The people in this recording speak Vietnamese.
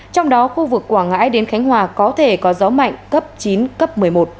trong đó khu vực quảng ngãi đến khánh hòa có thể có gió mạnh cấp chín cấp một mươi một